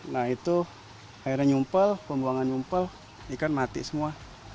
nah itu airnya nyumpel pembuangan nyumpel ikan mati semua